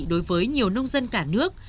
đối với nhiều nông dân cả nước